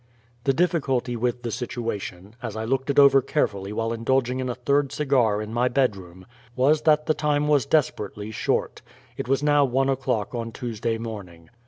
The difficulty with the situation, as I looked it over carefully while indulging in a third cigar in my bedroom, was that the time was desperately short. It was now one o'clock on Tuesday morning.